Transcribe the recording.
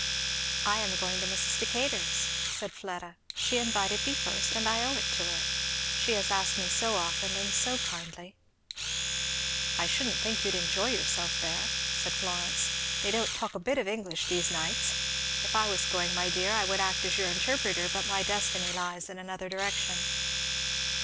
"I am going to Mrs. Decatur's," said Fleda; "she invited me first, and I owe it to her, she has asked me so often and so kindly." "I shouldn't think you'd enjoy yourself there," said Florence; "they don't talk a bit of English these nights. If I was going, my dear, I would act as your interpreter, but my destiny lies in another direction."